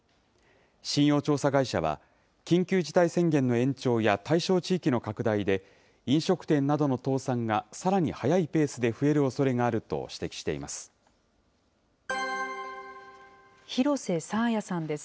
信用調査会社は、緊急事態宣言の延長や、対象地域の拡大で、飲食店などの倒産がさらに早いペースで増えるおそれがあると指摘しています。